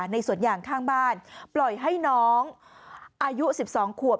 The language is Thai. ในสวนยางข้างบ้านปล่อยให้น้องอายุ๑๒ขวบ